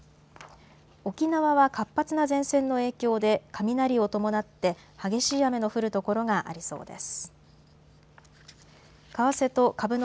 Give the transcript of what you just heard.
沖縄は活発な前線の影響で雷を伴って激しい雨の降る所がありそうです。